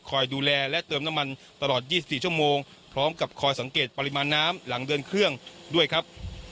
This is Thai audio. ดูแลและเติมน้ำมันตลอด๒๔ชั่วโมงพร้อมกับคอยสังเกตปริมาณน้ำหลังเดินเครื่องด้วยครับ